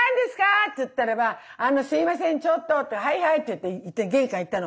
っつったらば「あのすいませんちょっと」って「はいはい」って言って玄関行ったの。